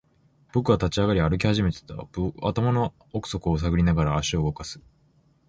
僕は立ち上がり、歩き始めていた。頭の奥底を探りながら、足を動かす。